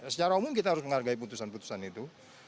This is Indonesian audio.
secara umum kita harus menghargai putusan putusan itu